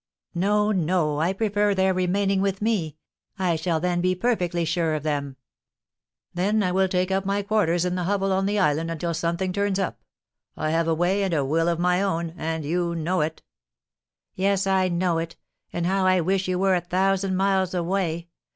"No, no! I prefer their remaining with me. I shall then be perfectly sure of them." "Then I will take up my quarters in the hovel on the island until something turns up. I have a way and a will of my own, and you know it." "Yes, I know it. Oh, how I wish you were a thousand miles away!